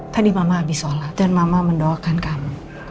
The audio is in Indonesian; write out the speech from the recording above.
tadi mama habis sholat dan mama mendoakan kamu